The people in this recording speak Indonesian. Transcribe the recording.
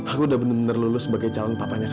aku udah bener bener lulus sebagai calon papanya